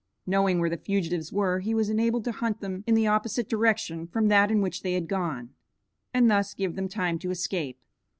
Knowing where the fugitives were he was enabled to hunt them in the opposite direction from that in which they had gone, and thus give them time to escape.